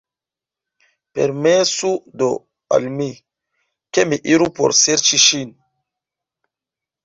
Permesu do al mi, ke mi iru por serĉi ŝin.